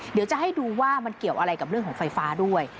เดี๋ยวจะให้ดูว่ามันเกี่ยวอะไรกับเรื่องของไฟฟ้าด้วย